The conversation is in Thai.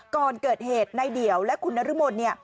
ก่อนเกิดเหตุนายเดี๋ยวและคุณนรมนต์เนี่ย